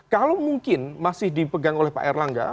kalau mungkin masih dipegang oleh pak erlangga